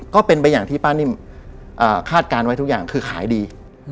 ก็เป็นไปอย่างที่ป้านิ่มคาดการณ์ไว้ทุกอย่างคือขายดี